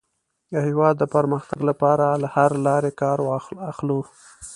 د هېواد د پرمختګ لپاره له هرې لارې کار اخلو.